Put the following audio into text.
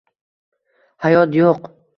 Hayot yo’q.